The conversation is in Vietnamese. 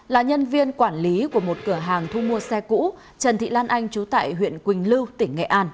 là nhân viên quản lý của một cửa hàng thu mua xe cũ trần thị lan anh trú tại huyện quỳnh lưu tỉnh nghệ an